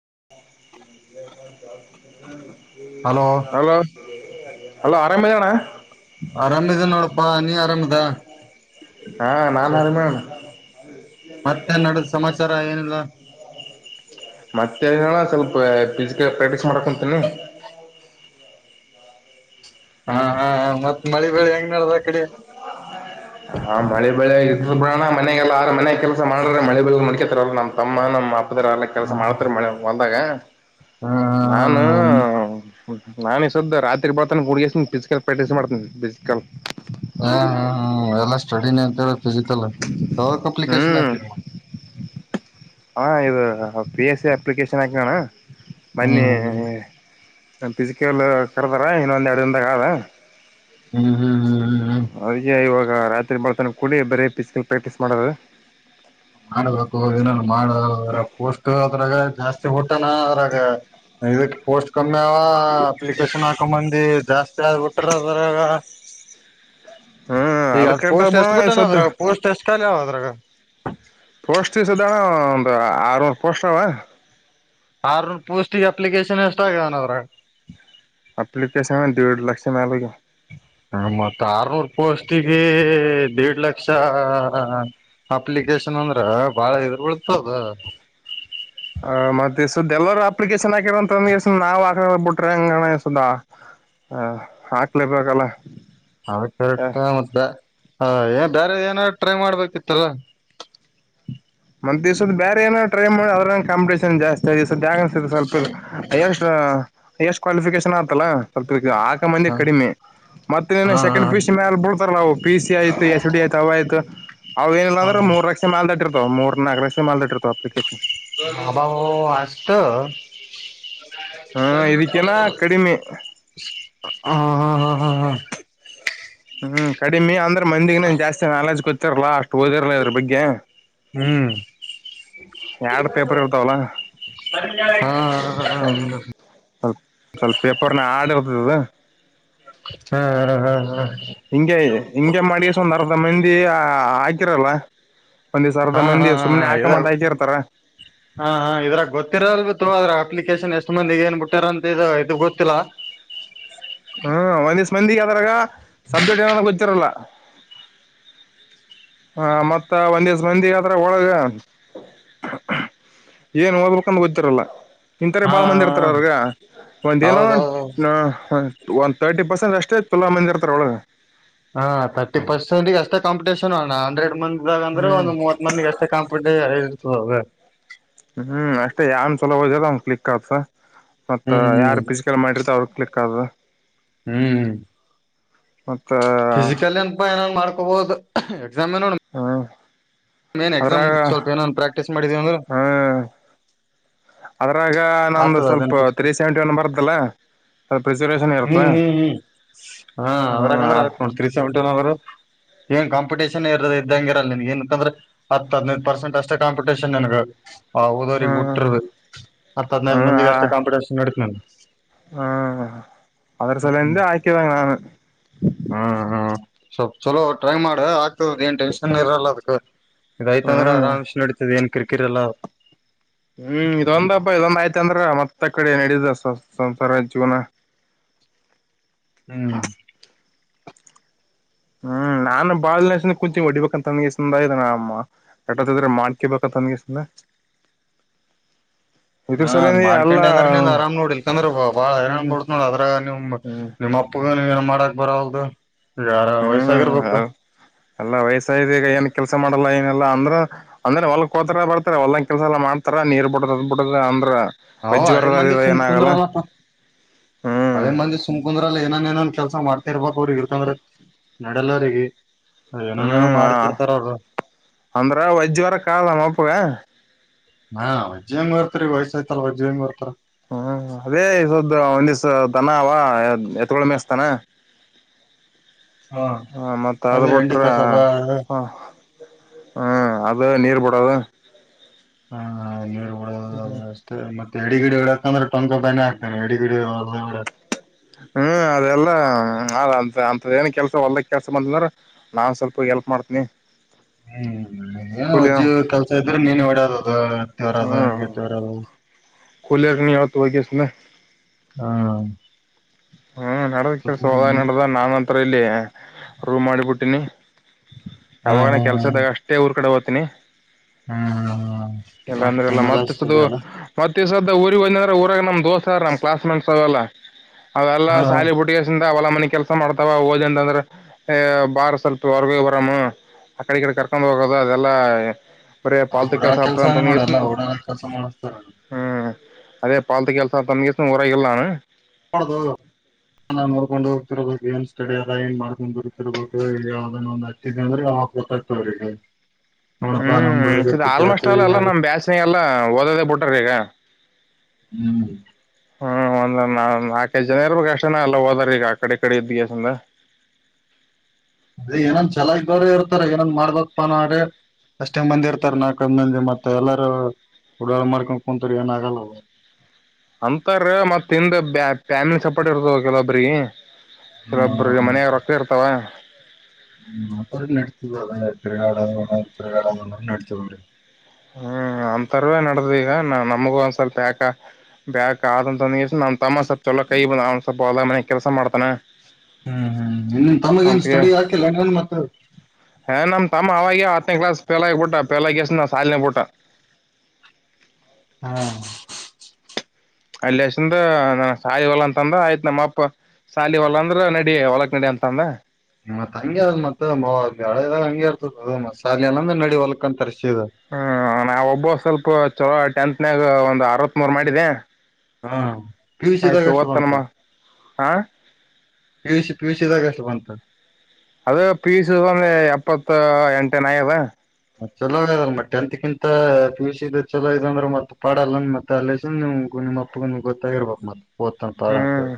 [unintelligible] Hello hello ಹರಾಮ್ ಅದಿ ಅಣ್ಣ ಆರಾಮ್ ಅದಿನಿ ನೋಡಪ್ಪಾ ನೀ ಆರಾಮ್ ಅದಾ ಹಾ ನಾನ್ ಹರಮಣ್ಣ ಮತ್ತೆ ನಡದ ಸಮಾಚಾರ ಏನಿಲ್ಲ ಮತ್ತೆ ಹೇಳಣ್ಣ ಸ್ವಲ್ಪ ಪಿ ಪ್ರಾಕ್ಟೀಸ್ ಮಾಡಕೊತೀನಿ ಹಾ ಹಾ ಮತ್ತ್ ಮಳೆ ಬಳಿ ಹೆಂಗ ನಡ್ದ ಆ ಕಡೆ ಹಾ ಮಳೆ ಬೆಳೆ ಆಗ ಬಾ ಮನೆಗೆಲ್ಲಾರ ಮನೆ ಕೆಲಸ ಮಾಡಿದ್ರೆ ಮಳೆ ಬೆಳಿ ಮುರಿಕತಾರಲ್ಲ ನಮ್ಮ ತಮ್ಮ ನಮ್ಮ ಅಪ್ಪದಿರು ಎಲ್ಲ ಕೆಲಸ ಮಾಡ್ತಾರೆ ಮಳೆ ಹೊಲದಾಗ ಹ ನಾನು ನಾನ ಈ ಸದ್ದ ರಾತ್ರಿ ಬರ್ತಾನ ಹುಡುಗ ಫಿಸಿಕಲ್ ಪ್ರಾಕ್ಟೀಸ್ ಮಾಡ್ತೀನಿ ಫಿಸಿಕಲ್ ಹ್ಮ ಹ್ಮ್ ಹ್ಮ್ ಎಲ್ಲಾ ಸ್ಟಡಿನೆ ಲ್ಲ ಫಿಸಿಕಲ್ ಯಾವ ಅಪ್ಲಿಕೇಶನ್ ಹ್ಮ್ ಹಾಕಿರ ಹಾ ಇದು ಪಿ ಎಸ್ ಎ ಅಪ್ಲಿಕೇಶನ್ ಹಾಕಿನಿ ಅಣ ಹ್ಮ್ ಮೆನ್ನೆ ಫಿಸಿಕಲ್ ಕರೆದಾರ ಇನ್ನೊಂದು ಎರಡು ದಿನದಾಗ ಆದ ಹ್ಮ್ ಹ್ಮ್ ಹ್ಮ್ ಹ್ಮ್ ಹ್ಮ್ ಅದಕ್ಕೆ ಇವಾಗ ರಾತ್ರಿ ಮಾಡತನ ಕುಡ್ರಿ ಬರೆ ಪಿಸ್ತೂಲ್ ಪ್ರಾಕ್ಟೀಸ್ ಮಾಡದು. ಹೌದು. ಏನಾದ್ರು ಮಾಡನ ಪೋಸ್ಟು. ಜಾಸ್ತಿ. ಅದ್ರಗಾ ಜಾಸ್ತಿ ಪೋಸ್ಟು. ಕಮ್ಮಿಯಾವ ಅಪ್ಲಿಕೇಶನ್ ಹಾಕೊಂಡ ಬಂದ್ವಿ ಜಾಸ್ತಿ ಆದಗ್ಬಿಟ್ರ ಅದರಾಗ. ಹ್ಮ್ [inaudible] ಈಗ ಅದಕ್ಕಂಟ ಪೋಸ್ಟ್ ಬಿಡ ಎಸ್ಟ್ ಬಿಟ್ಟಾನ ಸದ್ ಅದ್ರಾಗ ಪೋಸ್ಟ್ ಎಸ್ಟ್ ಖಾಲಿ ಅದಾವ ಅದ್ರಾಗ. ಪೋಸ್ಟ್ ಎಸ್ಟಿದವ್ ಒಂದು ಆರನೂರು ಪೋಸ್ಟವಾ. ಆರನೂರ ಪೋಸ್ಟಿಗ್ ಅಪ್ಲಿಕೇಶನ್ ಎಷ್ಟ ಆಗಿದವ ಅವ್ರ. ಅಪ್ಲಿಕೆೇಶನ್ ದುಡ್ಡ ಲಕ್ಷ ಮೇಲೆಗೆ. ಹ ಮತ್ ಆರ್ನೂರ್ ಪೋಸ್ಟಿಗೆ ದೇಡ್ ಲಕ್ಷ ಅಪ್ಲಿಕೇಶನ್ ಅಂದ್ರ ಬಾಳ ಎದುರು ಬಿಳ್ತದ. ಹ ಮತ್ತೆ ಸುದ ಎಲ್ಲರೂ ಅಪ್ಲಿಕೇಶನ್ ಹಾಕಿರಂತಂದ್ ನಾವ್ ಹಾಕ ಬಿಟ್ರೆ ಹಂಗಣ ಸುದ ಹಾಕ್ಲೇಬೇಕಲ್ಲ. ಹ ಮತ. ಹಾ ಏ ಬೇರೆ ಏನಾರು ಟ್ರೈ ಮಾಡ್ಬೇಕಿತ್. ಮತ್ತ ಬೇರೆ ಏನಾದ್ರು ಟ್ರೈ ಮಾಡಿ ಆದ್ರಗಾ ಕಾಂಪಿಟೇಷನ್ ಜಾಸ್ತಿ. ಸರಿ ಸ್ಯಾಗನ್ಸ ಸ್ವಲ್ಪ ಎಷ್ಟು. ಹೈಯೆಸ್ಟ್ ಕ್ವಾಲಿಫಿಕೇಶನ್ ಆತಲ್ಲ ಸ್ವಲ್ಪ. ಈಗ ಹಾಕ ಮಂದಿ ಹ ಕಡಿಮೆ ಮತ್ತೆ ಹಾ ಸೆಕೆಂಡ್ ಪಿಯುಸಿ ಮೇಲೆ ಬಿಡ್ತಾರ ನಾವು ಪಿ ಸಿ ಆಯ್ತ್ ಎಸ್ ಡಿ ಆಯ್ತ್ ಅವ ಆಯ್ತ್. ಅವವು ಏನಿಲ್ಲ ಹಾ ಅಂದ್ರ ಮೂರ್ ಲಕ್ಷ ಮೇಲ್ ದಾಟಿರ್ಥವ. ಮೂರ್ ನಾಗರ ಮಾಡಲ್ ಇರ್ತತ್ತು ಅಪ್ಲಿಕೇಶನ್. ಹ ಅಷ್ಟು. ಹಾ ಇದಕ್ಕೇನ ಕಡಿಮೆ [inaudible] ಹಾ ಹಾ ಹಾ ಹಾ ಹಾ. ಹ್ಮ್ ಕಡಿಮೆ ಅಂದ್ರೆ. ಮಂದಿಗೆ ಎನ್ ಜಾಸ್ತಿ ನಾಲಜ್ ಗೊತ್ತು. ಚತ್ತರ್ ಲಾಸ್ಟ್. ಓದಿರ್ಲ ಅದ್ರ ಬಗ್ಗೆ. ಹ್ಮ. ಎರಡು ಪೇಪರ್ ಇರ್ತಾವಲ್ಲ ಹಾ ಹ್ಮ. ಸ್ವಲ್ಪ ಸ್ವಲ್ಪ ಪೇಪರ್ನ ಹಾರ್ಡ್ ಇರ್ತಾವಲ್ಲ. ಹ್ಮ ಹ ಹಾ ಹಾ. ಹಿಂಗೆ ಹಿಂಗೆ ಮಾಡಿ ಸ್ವಲ್ಪ ಒಂದ್ ಅರ್ಧ ಮಂದಿ ಆ. ಹಾ ಹಾಕಿರಲಿಲ್ಲ. ಹಾ ಹಾ ಹ ಹ ಹಾ ಇದ್ರಾಗ ಗೊತ್ತಿರಲ್ ಬಿ ತಗ ಅಪ್ಲಿಕೇಶನ್ ಎಷ್ಟು ಮಂದಿಗೆ ಎನ್. ಕೊಟ್ಟಾರಂತ ಇದ ಇದು ಗೊತ್ತಿಲ್ಲ. ಹ್ಮ ಒಂದ್ ದಿವ್ಸ ಮಂದಿ ಾಗ ಸಬ್ಜೆಕ್ಟ್ ಏನ ಗೊತ್ತಿರಲ್ಲ ಹ ಮತ್ತ ಒಂದ್ ದಿವಸ ಮಂದಿ ಆದತ್ರ ಒಳಗ ಏನ್ ಓದ್ಲ್ಕೊಂಡ ಗೊತ್ತಿರಲ್ಲ ಇಥರ ಹಾ ಬಾಳ ಮಂದಿ ಇರ್ತಾರ ಅವ್ರಗ ಒಂದ ಏನ ಹೌದೌದು ಒಂದು ತರ್ಟಿ ಪರ್ಸೆಂಟ್ ಅಷ್ಟೇ ತುಂಬಾ ಮಂದಿ ಇರ್ತಾರ ಒಳಗೆ ಹಾ ತರ್ಟಿ ಪರ್ಸೆಂಟ್ ಅಷ್ಟ ಕಂಪಟಷನ್ ಅಣ್ಣ ಅಂಡ್ರೆಡ್ ಮಂದ ಇದಾಗ ಅಂದ್ರೆ ಹ್ಮ್ ಒಂದು ಮೂವತ್ಂದಿಗೆ ಅಷ್ಟೇ ಕಂಪಿಟ್ಟ ಹಾ ಹಾ ಹ್ಮ್ ಅಷ್ಟೇ ಯಾವನ್ ಚಲೋ ಹೋದ್ಯದ ಅವನ್ ಕ್ಲಿಕ್ ಆಗ್ಸಾ ಮತ್ತ ಹ್ಮ್ ಯಾರ್ು ಫಿಸಿಕಲ್ ಮಾಡಿರ್ತ ಅವ್ರ ಕ್ಲಿಕ್ ಅದ ಹ್ಮ್್ಮ ಮತ್ತ ಫಿಸಿಕಲ್ ಅನಪ ಏನ ಮಾಡ್ ಅಪ್ಪಬದು ಎಗ್ಾಮ ನೋ ಹ್ಮ್ ಏನ್ ಎಕ್ಸಾಮ್ ಅದ್ರಾಗ ಸ್ವಲ್ಪ ಏನ ಪ್ರಾಕ್ಟೀಸ್ ಮಾಡಿದೀವ ಅಂದರು ಹ್ಮ್ ಅದ್ರಾಗ ನಮ್ದು ಆಗ್ತದ ಅದನ್ ಸ್ವಲ್ಪ ಹ್ಮ ತ್ರೀ ಸೆವೆಂಟಿ ಒನ್ ಬರ್ತಲ್ಲ ಸ್ವಲ್ಪ ರಿಸರ್ವೇಶನ್ ಇರುತ್ತ ಹ್ಮ್ ಹ್ಮ್ ಹ ಅದ್ರಂದ್ರ ಹ್ಮ್ ಆ ನೋ ಸಟ ಎನ್ ಕಾಂಪಿಟೇಷನ್ ಇದ್ದಂಗಿರಲ್ಲನ್ ಏನಂದ್ರೆ ಹದಿನೈದು ಪರ್ಸೆಂಟ್ ಅಷ್ಟೇ ಕಾಂಪಿಟೇಷನ್ ನನ್ಗೆ ಹಾ ಹದೋ್ರಿಗೆ ಬಿಟ್ರುರು ಹತ್ ಹದ್ನೈದು ಹ್ಮ ಮಂದಿಗೆ ಅಷ್ಟೇ ಕಾಂಪಿಟೇಷನ್ ನಡೀತ್ ಹ್ಮ ಅದರ ಸಲಂತ ಹ್ಮ್ ಆಯಕತ ನಾನು ಸ್ವಲ್ಪ ಚಲೋ ಟ್ರೈ ಮಾಡ ಆಗ್ತದ ಏನ್ ಟೆನ್ಷನ್ ಇರಲ್ಲ ಅದಕ್ಕೆ ಇದಯ್ತ ಅಂದ್ರ ಹ್ಮ್ ಆರಾಮ್ ನಡತದ ಏನ್್ರಿಕೆ ಕಿರಲ ಹ್ಮ್ ಇದೊಂದಪ್ಪ ಇದೊಂದ್ ಆಯ್ತ ಅಂದ್ರ ಮತ್ತ ಕಡೆ ನಡಿದ ಸಂಸಾರ ಜೀವನ ಹ್ಮ್ ಹ್ಮ್ ನಾನು ಬಾಳಸ ಕುಂತಂಗ ಹೊಡಿಬೇಕಂತ ಅನ್ಗಸಂದ ಇದಟ್ರ ಮಾಡ್ಕಿಬೇಕಂತ ಅಂದಗಸಂದ ಹಾ ಅದ್ ಮಾಡ್ಕೊಂಡೆ ಅಂದ್ರೆ ನಿನ್ ಅರಾಮ್ ನೋಡಿ ಇಲ್ಕಂದ್ರ ಬಾಳಏ್ ಹ್ಮ್ ಬಿಡತ್ ನೋ ಅ್ರ ನಿಮ್ ಹ್ಮ್ ನಿಮ್ಮ ಅಪ್ಪಗ ಮಾಡಕ್ ಬರ ಅವದು ಯಾರ ವಯಸ್ಸಾಗಿರ್ಬೇಕು ಹ್ಮ್ ಎಲ್ಲಾ ವಯಸ್ಸ್ ಈಗ ಏನ್ ಕೆಲ್ಸ ಮಾಡಲ್ಲ ಏನಲ್ಲ ಅಂದ್ರ ಅಂದ್ರೆ ಹೊಲ್ಕ್ ಕೋತಾರ ಬರ್ತಾರ ಹೊಲ್ಂಗ ಕೆಲ್ಸ ಎಲ್ಲಾ ಮಾಡ್ತಾರ ನೀರ್ ಬಿಡತದ್ ಬಿಡದ ಅಂದ್ರ ಹ ವಜ್ಜಿ ಹಳೆ ಬರದ ಮಂದಿ ಏನಾಗಲ್ಲ ಸುಮಕುಂದ್ರಲ್ಲ ಹ್ಮ್ ಹಳೆ ಮಂದಿ ಸುಮಕುಂದ್ರಲ್ಲ ಏನನ್ ಏನನ್ ಕೆಲ್ಸ ಮಾಡ್ತ ಇರ್ಬಾಪ ಅವ್ರಿಗೆ ಇರ್ತಂದ್ರ ನಡೆಲ್ಲ್ರರಿಗೆ ಹ್ಮ್ ಆ ಅಂದ್ರ ವಜ್ಯವಾರ ಕಾಲಮ್ಮಪ್ಪಗ ಹಾ ವಜ್ಜಂಗ ಬರ್ತರಿ ವಯಸ್ಸಾಯ್ತಲ್ಲ ವಜ್ಜ ಹೆಂಗ್ ಬರ್ತಾರ ಹ್ಮ್ ಅದೇದ ಒಂದಿವ್ಸ ತನ ಅವ ಎತ್ಕೊಳ ಮೆಸ್ತಾನ ಹ ಮತ್ತ ಅದ್ ಅದೇ ಎಂಡಿ ಬಿಟ್ರ ಕಸಬ ಹ್ಮ ಅದ ನೀರ್ ಬಿಡೋದು ಹ ನೀರು ಬಿಡ ವ್ಯವಸ್ೆ ಮತ್ತೆ ಎಿಡಿ ಗಿಡೆ ಇಡಕಂದ್ರೆ ಟಂಕ ಪನೆ ಆಗ್ತಾನೆ ಎಡಿ ಗಿಡ ಹೊಡಕ್ ಹ್ಮ್ ಅದೆಲ್ಲಾ ಅ ಅಂತ ಅಂತದ ಏನ ಕೆಲ್ಸ ಹೊದಕ್ ಕೆಲ್ಸ ಬಂದಂದ್ರ ನಾನ್ ಸ್ವಲ್ಪ ಎಲ್ಪ್ ಮಾಡ್ತೀನಿ ಹ್ಮ್ ಕೂಲಿ ವಜ್ಜಿ ಕೆಲ್ಸ ಇದ್ರೆ ನೀನು ಓಡದದು ಹತ್ತವರದು ಹ ತವರದು ಕೊುಲೆರ್ ನೀ ಆತ ಆಗೆಸೆ ಹಾ ಹ್ಮ್ ನಡದ್ ಕೆಲ್ಸ ಹೋದಾಗ ನಡ್ದ ನಾನನ್ ಹತ್ರ ಇಲ್ಲಿ ರೂ ಮಾಡಿಬಿಟ್ಟಿನಿ ಹಾ ಯಾವಾಗನ ಕೆಲ್ಸದಾಗ ಅಷ್ಟೇ ಊರ್ ಕಡೆ ತ ಇನ ಹಾತ ಮಲ್ಲ ಅತದೆ ಅಲ್ಲ ಊರಿವಂದರ ಊರಗ ನಂ್ ಹಓದು ಸರ್ ನಮ್ಮ ಕ್ಲಾಸ್ೆಂಟ್ಸ್ ಅವಲ್ಲ ಅದೆಲ್ಲಾ ಹಾ ಸಾಲಿ ಪುಟ್ಟ ಅವಲ ಮನಿ ಕೆಲಸ ಮಾಡ್ತಾವ ಓದ್ ಅಂತ ಅಂದ್ರ ಬಾರ್ ಸ್ವಲ್ಪ ಹೊರ್ಗ ಬರಾಮ ಆ ಕಡೆ ಈ ಕಡೆ ಕರ್ಕೊಂಡ್ ಹೋಗೋದು ಅದೆಲ್ಲಾ ಆ ಓಡಾಳ ಕೆಲ್ಸವೇ ನೋಡಲ್ಲಾ ಓಡಾಳ ಕೆಲಸ ಮಾಡಸ್ತಾರ ಹ್ಮ್ ಅದೇ ಪಾಲತಿ ಕೆಲ್ಸ ತಸ ಊರಲ್ಲು ನದು ನೋಡ್ಕೊಂಡು ತ್ತರ್ಬೇಕು ಏನ್ ಸ್ಟಡಡಿ ಅದ ಏನ್ ಮಾಡ್ಕೊಂಡ್ ಬರ್ತಿರ್ಬೇಕು ಯಾವ್ದನ್ ಒಂದು ಹತ್ತದೆ ಅಂದ್ರೆ ಆ ಗೊತ್ತಾಗ್ತ ಅವ್ರಿಗೆ ಹ್ಮ್ ಆಲ್ಮೋಸ್ಟ್ ಅಲ್ಲ ಎಲ್ಲ ನಮ್ ಬ್ಯಾಸನ ಎಲ್ಲ ಓದದೆೇ ಬಿಟ್ರ ಈಗ ಹ್ಮ್ ಹ್ಮ ಇ ನಾನ್ ನಾಕೈ್ ಜನ ಇರ್ಬೇಕ ಅಷ್ಟನ ಎಲ್ಲ ಹೋದಾರ ಈಗ ಆ ಕಡೆ ಈ ಕಡೆ ಇದಗೆಸಂದ ಅದ ಏನೊಂದ್ ಚಲಾಗಬ್ರ ಇರ್ತಾರ ಏನೊಂದ್ ಮಾಡ್ಬೇಕಕ್ ಪ ನಾ ಅಷ್ಟೇ ಮಂದಿ ಇರ್ತ ನಾಕ ಮಂದಿ ಮತ್ ಮತ್ತ ಎಲ್ಲಾರೂ ಓಡಾಳ ಮಾಡ್ಕೊಂಡ್ ಕುಂತರು ಏನ ಆಗಲ್ಲ ಅವ ಅಂತಾರ ಮತ್ ತಿಿಂದ ಫ್ಯಾಮಿಲಿ ಸಪೋರ್ಟ್ ಇರ್ತವ ಕೆಲವೊಬ್ರಗ ಕೆಲೊಬ್ರ ಮನಯಾಗ ರೊಕ್ಕ ಇರ್ತಾವ ್ಮ ಮಾತ್ರ ನತ ತಿರೆಗಾಾಲ ತಿರಗಾಳ ನತೋ ಹ್ಮ್ ಅಂತವೇ ನಡ್ದ್ ಈಗ ನಾ ನಮಗ ಒಂದ್ ಸ್ವಲ್ಪ ಯಾಕ ಬ್ಯಾಕ್ ಆದಂತ ಒಂದ ನಮ ತಮ್ಮ ಸ್ವಪ ಚೊಲೋ ಕೈ ಬಂದ ಅವ್ ಸ್ವಲ್ಪ ಹೊದ ಮನ ಕೆಲ್ಸ ಮಾಡ್ತಾನ ಹ್ಮ್ ಹ್ಮ್ ಇನ್ನು ತಮಗ ನ್ ಅಂತ್ಗೆ ಸ್ಟಡಿ ಆಕಿಲ್ಲನ್ ಮತ್ತ ಏ ನಮ್ ತಮ್ಮ ಆಗ ಹತ್ತನ ಕ್ಲಾಸ್ ಫೇಲ್ ಆಗಿಬಟ್ಟ ಫೇಲ್ [unintelligible] ಸಾಲಿನ ಬಿಟ್ಟ ಹಾ ಅಲ್ಲಿಸಂದ ನ ಸಾಯಿ ಹೊಲ್ಲ ಅಂತಂದ ಆಯ್ತ್ ನಮ್ಮ ಅಪ್ಪ ಸಾಲಿ ಹೊಲ್ಲ ಅಂದ್ರ ನಡಿ ಹೊಲಕ್ ನಡಿ ಅಂತಂದ ಮತ್ತತ್ ಹಂಗೆ ಅ ಮತ್ತತ್ ಮಳದಾಗ ಹಂಗೆ ಇರ್ತದ ಮತ್ ಸಾಲ ಅಂದ್ರೆ ನಡಿ ಹೊಲ್ಕಂತರಿಸ ಹ್ಮ ನಾವ ಒಬ್ಬ ಸ್ವಲ್ಪ ಚಲೋ ಟೆಂತ್ನಾಗ ಒಂದ್ ಅರ್ವತ್ತ್ ಮೂರ್ ಮಾಡಿದೆ ಹಾ ಪಿಯುಸಿದಾಗ ಆಯ್ತು ಅಷ್ಟು ಬಂತ ಓದ್ತನಮ್ಮ ಹ ಪಿಯುಸಿ ಪಿಯುಸಿದಾಗ ಎಷ್ಟು ಬಂತ ಅದ ಪೀಸ ಒಂದ ಎಪ್ಪತ್ತು ಎಂಟನಾಯದ ಚಲೋ ಅದಲ್ ಮತ್ತ ಟೆಂತ್ ಕಿಂತ ಪಿಯುಸಿ ಇ ಚಲೋ ಇದೆ ಅಂದ್ರ ಮತ್ತತ್ ಪಾಡಲ್ಲ ಮತ್ತ ಅಲ್ಲಸ ನಿ ನಿಮ್ಮ ಅಪ್ಪಗ್ ಗೊತ್ತಾಗಿರ್ಬಕ್ ಮತ್ತ ಹ್ಮ್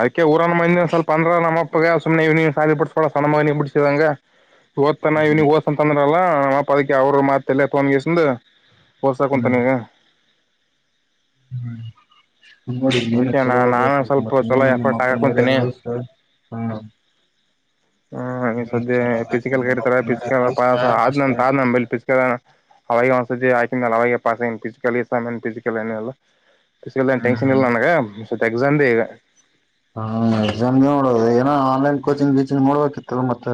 ಅದಕ ಊರನ ಮಂದಿ ಒನ್ ಸ್ವಲ್ಪ ಅಂದ್ರ ನಮ್ಮ ಪ್ಪಗ ಸುಮ್ಮನೆ ಈ ಇವೆಯಿನ್ಗ್ [unintelligible] ಓದತಾನ ಇವಿಗೆ ಒಸಂತಾನ ನ ಬದಕಿ ಅವರು ಮಾತ್ರಲ್ಲಿಫೋನ್ ಕಸಂದು ಪೋಸ ಕುಂತಾನಗ ಹ್ಮ್ ನೋಡಿ ಮೀನು ಅದಕ್ಕೆ ನಾ ಚಲೋ ಆ ನಾನು ಮತ್ ಸ್ವಲ್ಪ ಚಲೋ ಮೀನು ನಿಮ್ಮ ಎಫರ್ಟ್ ಅಪ್ಪನ ಮರ್ಯಾದಿ ಹಾಕಕುಂತೀನಿ ಉಳ್ಸ್ದ ಹ್ಮ್ ಈ ಸದ್ಯೆ ಪಿಸಿಕಲ್ ನಿಮ್ಮ ಕತಾರೆ ಅಪ್ಪನ ಮರ್ಯಾದ ಪಿಸಿಕಲ್ ಉಳಸ್ಕ ಪಾಸ್ ಅಷ್ಟೇ ಆದ್ಂತ ಆದ್ ನ ಪಿಸಲ್ ಅವಾಗ ಒದ್ಸತಿ ಹಾಕ ಅವಾಗ ಪಸ್ ಫಿಸಿಕಲಿ [unintelligible] [unintelligible] ತಿನ್ನಲ್ಲನನಗೆ ಇವತ್ ಎಕ್ಷಮಡೇ ಎಕ್ಸಾಮ್ಗೆ ನೋಡೋದು ಹಾ ಆನ್ಲೈನ್ ಕೋಚಿಂಗ್ ಗಿಚಿಂಗ್ ಮಾಡೋಬೇಕಿತ್ತುಲ್ಲ ಮತ್ತೆ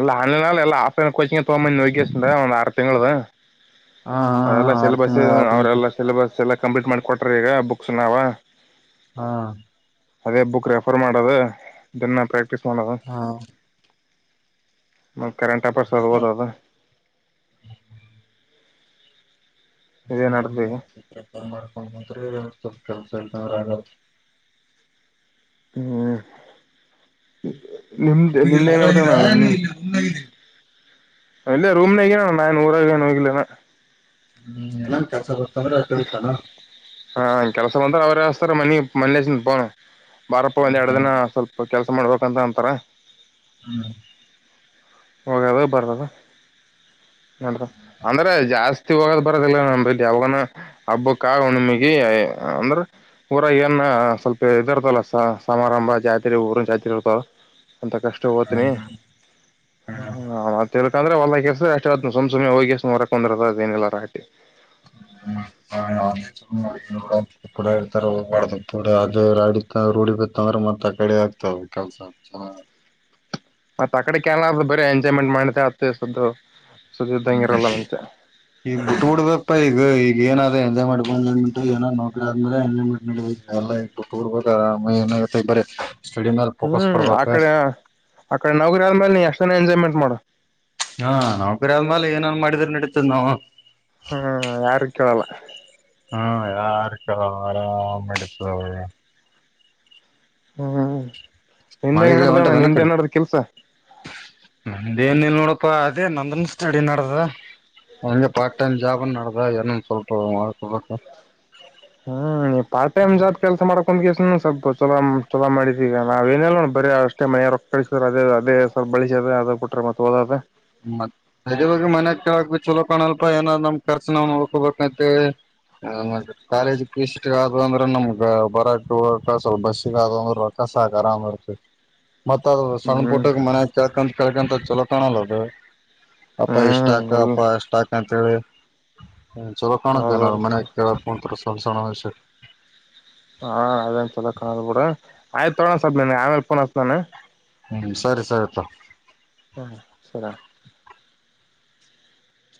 ಎಲ್ಲ ಆನ್ಲೈನ್ಲ್ಲ ಎಲ್ಲ ಆಫ್ಲೈನ್ ಕೋಚಿಂಗ್ ತಗೊಂಬಂದಿ ಹೋಗ್ ಒಂದ ಆರು ತಿಂಗಳುದು ಹಾ ಹಾ ಹಾ ಅದೆಲ್ಲ ಆರ್ ಸಿಲೆಬಸ್ ತಿಂಗಳ ಆಫ್ಲೈನ್ ಅವರೆಲ್ಲಾ ಸಿಲೆಬಸ್ ಎಲ್ಲ ಕಂಪ್ಲೀಟ್ ಮಾಡಿಕ ಕೊಟ್ರ ಈಗ ಬುಕ್ಸ್ ನಾವ ಹಾ ಅದೇ ಬುಕ್ ರೆಫರ್ ಮಾಡೋದು ದ ಕಿಸ್ಕೊನದ ಹಾ ಮ ಕರೆಂಟ್ಪರ್ಸದ ಓದೋದ ಈಗ [unintelligible] ಸಪ್ತ ಸ ನಾರಾಯಣ ಹ್ಮ್ ನಿಮ್ದ ಈಗೆಲ್ಲ ನಿಮ್ದ ಹೊರಗಿದ ನೀ ಇಲ್ಲ ಮುನ್ನಾಗಿದೆ ಇಲ್ಲ ರೂಮ್ ನ ಹಗನಣ ನಾನ್ ಊರ ನೋೋಗಿಲ್ಲಣ ಹ್ಮ್ ನನ್ ಕೆಸ ಸಮ್ರ ಅಷ್ಟ ಗತ್ತಾನ ಹಾ ಕೆಲಸ ಬಂದಾರೆ ಅವರೇಸ್ಾರ ಮಣಿ ಮಣ್ಣೇಸ ಪೋನು ಬಾರಪ್ಪ ಒಂದ್ ಎರಡು ದಿನ ಸ್ವಲ್ಪ ಕೆಲಸ ಮಾಡ್ಬೇಕಂತ ಅಂತಾರೆ ಹ್ಮ ಹೋಗದ ಬರದ ನೋಡ್ರ ಅಂದ್ರೆ ಜಾಸ್ತಿ ಹೋಗದ್ ಬರದಿಲ್ಲ ನಲ್ಲಿ ಅವಾಗನ ಹಬ್ಬಕ್ಕ ಹುಣಮಗಿ ಅಂದ್ರ ಊರ ಏನ್ ಸ್ವಲ್ಪ ಇದಿರ್ತಲ್ಲ ಸಮಾರಂಭ ಜಾತ್ರೆ ಊರ ಜಾತ್ರೆ ಇರ್ತವ ಅಂತ ಕಷ್ಟ ಓತನಿ ಹ ತಿಕ ಅಂದ್ರೆ ಒ ಕೆಲ್ಸಷ್ಟ್ ಸಮ್ುಮನೆ ಹೋಗಿಸ ಹೊರಕೊಂಡಂದರದ ಏನಿಲ್ಲ ರಾಟಿ ತ ಅದ ರ ರೂಡಿ ಬತ್ತಂದ್ರೆ ಮತ್ತ ಆ ಕಡೆ ಆಗ್ತಾವ ಕೆಲ್ಸ ಮತ್ತತ್ ಆ ಕಡೆ ಕನಾದ ಬರ ಎಂಜಾಯ್ಮೆಂಟ್ ಮಾಡತೆ ಅತ್ತ ಸುದ್ದು ಈಗ ಬಿ ಬಿಡ್ಬೇಕ ಈಗ ಈಗ ಏನಾದ ಎಂದೇ ಮಾಡ್ಬನ್ ಏನೋ ನೋಡ್ರ ಆದ್ಮೇಲೆ ಎ ಮಾಡ್ ಎಲ್ಲ ಇು ತೂರ್ಬೇಕ ಆರಾಮ ಏನಾಗುತ್ತೆ ಬರರಿ ಹ್ಮ್ ಅಕಡೆ ಅಕಡೆ ನೌಗರಿ ಅಲ್ ಮಲ್ ಅಷ್ಟ ಎಂಜಾಯ್ಮೆಂಟ್ ಮಾಡಡ ಹಾ ನಾವ್ ಕರಿ ಅಲ್್ಮಾಲ ಏನನ್ ಮಾಡಿದ್ರರು ನಡೀತದ್ ನಾವವು ಹ್ಮ ಯಾರು ಕೇಳಲ್ಲ ಹ್ಮ ಯಾರ್ಕ ಆರಾಮ ಇಡ್ತವೆ ಹ್ಮ ನಿಂದೆಂಗ ಮಳಿಗಿಳಿ ನಡ್ದಣ್ಣ ಹೊಂಟದನ ನಿಂದ ಕಡೆ ನಡ್ದ ಕೆಲ್ಸ ಅ ಏನ್ ಇಲ್ ನೋಡಪಾ ಅದೇ ನಂದನ್ ಸ್ಟಡಿ ನಡ್ದ ಹಗೆ ಪಾರ್ಟ್ ಟೈಮ್ ಜಾಬ್ ನಡ್ದ ಏನೊಂದ ಸ್ವಲ್ಪ ಮಾಡ್ಕೊಬೇಕ ಹ್ಮ್ ನೀ ಪಾರ್ಟ್ ಟೈಮ್ ಜಾಬ್ ಕೆಲಸ ಮಾಡಕೊಂದ ಸ್ವಲ್ಪ ಚಲ ಚಲೋ ಮಾಡಿದ್ದೀಗ ನಾಾವ ಏನಲ್ಲ ನೋಡಿ ಬರಿ ಅಷ್ಟೇ ಮನೆಯವರು ಕಳಿಸಿದಾರೆ ಅದೇ ಅದೇ ಸ್ವಲ್ ಬಳಸೋದ ಅದದು ಬಿಟ್ರೆ ಮತ್ತೆಓದದೆ ಮತ್ತದ ಬ ಮನ್ಯಕ್ಕೆ ಹಗ್ಬೇಕ ಚಲೋಕಾಣಲ್ಪ ಏನಾದ್ ನಮ್ ಖರ್ಚ್ ನ್ವು ನೋಡ್ಕೋಬೇಕವಿ ಕಾಲೇಜ್ ಫೀಸ್ ಆದ ಅಂದ್ರೆ ನಮ್ಗ ಬರಕ್ಕೆ ಹಕ ಸ್ವಲ್ಪ ಬಸ್ಸಗ ಆದ ಅಂದ್ರ ರಕ್ಕಸ ಆರಾಮ್ ಇರ್ತ ಮತ್ತತ್ದ್ ಸಣ್ಣ ಹ್ಮ್ ಪುಟಕ್ ಮನ್ಯ ಕಕಂತ ಕೇಳ್ಕಂತ ಚಲೋ ಕಾಣಲ್ಲೋದು ಅಪ್ಪ ಇಷ್ಟಾಕ ಹ್ಮ್ ಅಪ್ಪ ಇಷ್ಟಾಕ ಅಂತ ಹೇಳಿ ಹ ಚಲೋ ಕಣ ಜನ ಮ ಹೌದೌದು ಕೆ ಪ ತರ ತಲಸಣ ಆಷ ಹಾ ಅದೇನ್ ಸ ಕಾಣದು ಬಿೂಡ ಆಯ್ತ ತೊಗಳಣ ಸರ್ ನೀ ಆಮೇಲೆಫೋನ ನಾನು ಹ್ಮ್ ಸರಿ ಸರಿಪ್ಪ ಹ್ಮ ಸರಿ